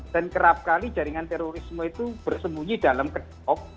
dan kerap kali jaringan terorisme itu bersembunyi dalam ketop